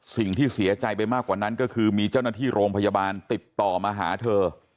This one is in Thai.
สิ่งที่เสียใจไปมากกว่านั้นก็คือมีเจ้าหน้าที่โรงพยาบาลติดต่อมาหาเธอ